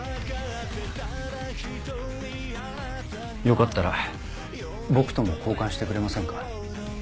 よかったら僕とも交換してくれませんか？